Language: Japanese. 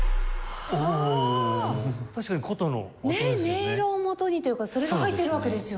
音色を元にというかそれが入ってるわけですよね。